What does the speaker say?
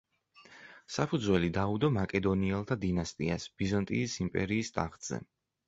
საფუძველი დაუდო მაკედონელთა დინასტიას ბიზანტიის იმპერიის ტახტზე.